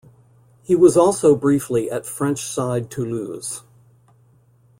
He was also briefly at French side Toulouse.